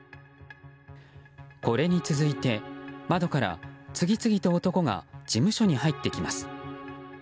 これに続いて窓から次々と男が事務所に入ってきます。